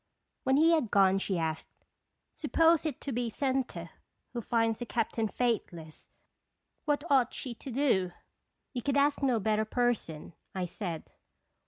When he had gone, she asked :" Suppose it to be Senta who finds the Captain faithless, what ought she to do?" " You could ask no better person," I said.